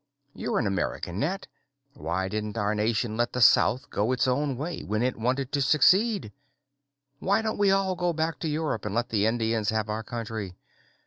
You're an American, Nat. Why didn't our nation let the South go its own way when it wanted to secede? Why don't we all go back to Europe and let the Indians have our country?